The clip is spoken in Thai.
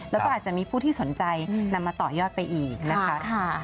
แล้วก็อาจจะมีผู้ที่สนใจนำมาต่อยอดไปอีกนะคะ